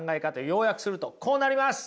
要約するとこうなります。